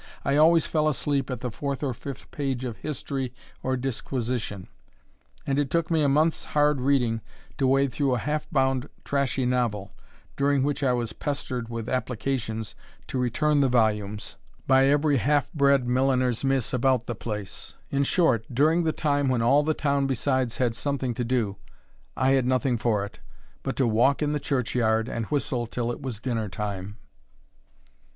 I always fell asleep at the fourth or fifth page of history or disquisition; and it took me a month's hard reading to wade through a half bound trashy novel, during which I was pestered with applications to return the volumes, by every half bred milliner's miss about the place. In short, during the time when all the town besides had something to do, I had nothing for it, but to walk in the church yard, and whistle till it was dinner time.